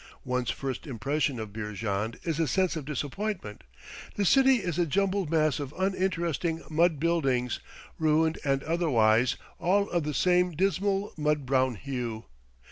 One's first impression of Beerjand is a sense of disappointment; the city is a jumbled mass of uninteresting mud buildings, ruined and otherwise, all of the same dismal mud brown hue.